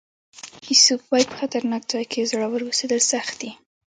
ایسوپ وایي په خطرناک ځای کې زړور اوسېدل سخت دي.